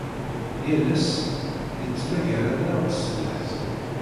Yal ass yettmagar-aneɣ-d s leḥzen.